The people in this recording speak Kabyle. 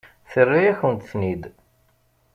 Terra-yakent-ten-id.